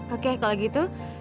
oke kalau gitu